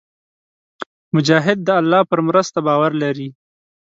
مجاهد د الله پر مرسته باور لري.